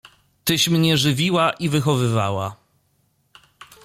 Tyś mnie żywiła i wychowywała.